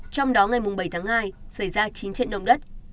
trong đó ngày bảy tháng hai xảy ra chín trận động đất